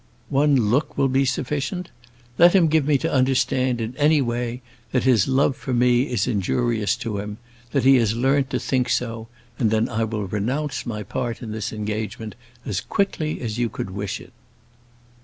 One look will be sufficient. Let him give me to understand, in any way, that his love for me is injurious to him that he has learnt to think so and then I will renounce my part in this engagement as quickly as you could wish it."